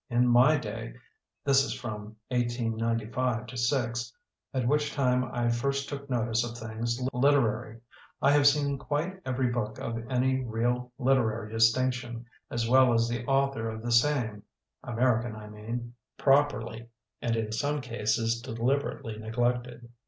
In my day — this is from 1895 6, at which time I first took notice of things literary — I have seen quite every book of any real literary distinction, as well as the author of the same (American I mean) properly and in some cases deliberately neglected.